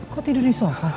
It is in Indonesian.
kok tidur di sofa sih